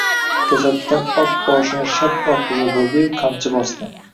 Toʼsatdan ot boshini shart orqaga burdiyu qamchi bosdi.